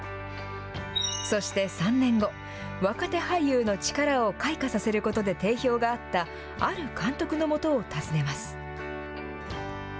そして３年後、若手俳優の力を開花させることで定評があった、ある監督のもとを訪ねます。